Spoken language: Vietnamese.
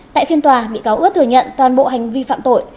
tại phiên tòa bị cáo ướt thừa nhận toàn bộ hành vi phạm tội